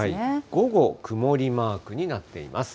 午後、曇りマークになっています。